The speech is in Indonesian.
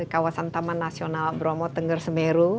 kawasan taman nasional bromo tengger semeru